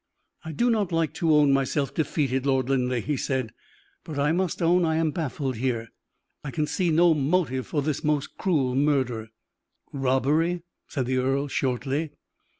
"I do not like to own myself defeated, Lord Linleigh," he said; "but I must own I am baffled here. I can see no motive for this most cruel murder." "Robbery," said the earl, shortly.